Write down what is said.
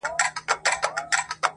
د ميني داغ ونه رسېدی~